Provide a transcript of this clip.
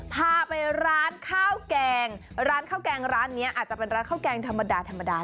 พาไปร้านข้าวแกงร้านข้าวแกงร้านนี้อาจจะเป็นร้านข้าวแกงธรรมดาธรรมดา